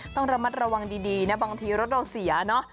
ต้องระมัดระวังดีนะบางทีรถเราเสียเนาะ